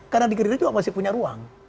karena di green dress juga masih punya ruang